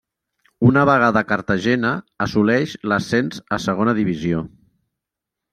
Una vegada a Cartagena assoleix l'ascens a Segona Divisió.